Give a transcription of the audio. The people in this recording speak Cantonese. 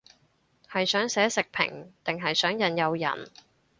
係想寫食評定係想引誘人